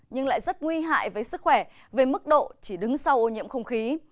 nhưng lại rất nguy hại với sức khỏe về mức độ chỉ đứng sau ô nhiễm không khí